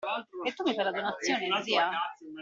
E tu mi fai la donazione, zia?